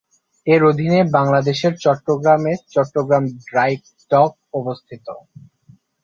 এর অধীনে বাংলাদেশের চট্টগ্রামে চট্টগ্রাম ড্রাই ডক অবস্থিত।